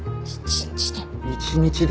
１日で？